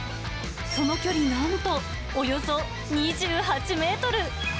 その距離なんと、およそ２８メートル。